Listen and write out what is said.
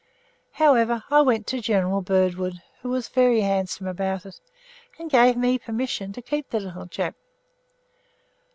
However, I went to General Birdwood, who was very handsome about it, and gave me permission to keep the little chap.